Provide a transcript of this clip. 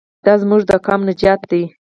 دا زموږ د قام نجات دی.